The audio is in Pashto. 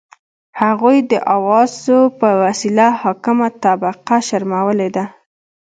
هغوی د اوازو په وسیله حاکمه طبقه شرمولي ده.